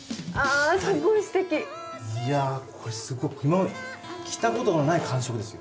いやこれすごい今まで着たことのない感触ですよ。